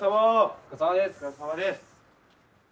お疲れさまです。